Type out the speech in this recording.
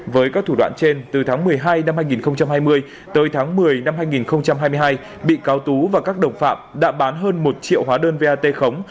với các thủ đoạn trên từ tháng một mươi hai năm hai nghìn hai mươi tới tháng một mươi năm hai nghìn hai mươi hai bị cáo tú và các đồng phạm đã bán hơn một triệu hóa đơn vat khống